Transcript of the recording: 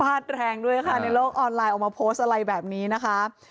แรงด้วยค่ะในโลกออนไลน์ออกมาโพสต์อะไรแบบนี้นะคะ